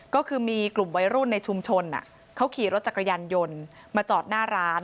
ก็คือมีกลุ่มวัยรุ่นในชุมชนเขาขี่รถจักรยานยนต์มาจอดหน้าร้าน